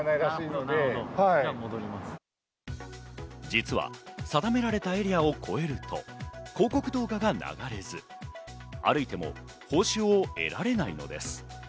実は定められたエリアを超えると、広告動画が流れず、歩いても報酬を得られないのです。